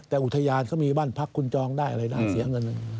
แต่อุทยานเขามีบ้านพักคุณจองได้อะไรได้เสียเงิน